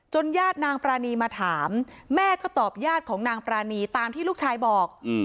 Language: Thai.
ญาตินางปรานีมาถามแม่ก็ตอบญาติของนางปรานีตามที่ลูกชายบอก